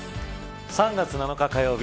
３月７日火曜日